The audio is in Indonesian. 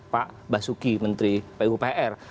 pak basuki menteri pupr